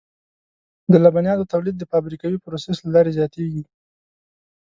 د لبنیاتو تولید د فابریکوي پروسس له لارې زیاتېږي.